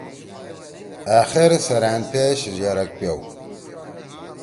أخر سیرأن پیش یَرَگ پیؤ۔